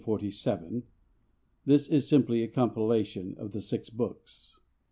[This is simply a compilation of the six books.